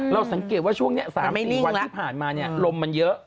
สังเกตว่าช่วงนี้๓๔วันที่ผ่านมาลมมันเยอะ